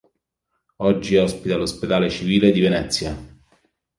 Oggi ospita l'Ospedale civile di Venezia.